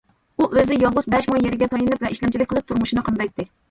ئۇ ئۆزى يالغۇز بەش مو يېرىگە تايىنىپ ۋە ئىشلەمچىلىك قىلىپ تۇرمۇشىنى قامدايتتى.